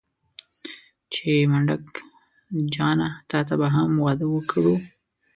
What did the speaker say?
چې منډک جانه تاته به هم واده وکړو.